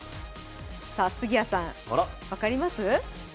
杉谷さん、分かります？